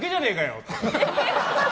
って。